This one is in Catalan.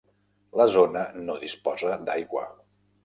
La zona no disposa d'aigua.